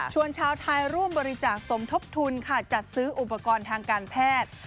ชาวไทยร่วมบริจาคสมทบทุนค่ะจัดซื้ออุปกรณ์ทางการแพทย์